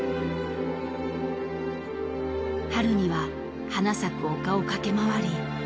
［春には花咲く丘を駆け回り］